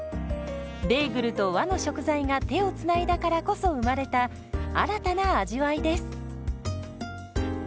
ベーグルと和の食材が手をつないだからこそ生まれた新たな味わいです。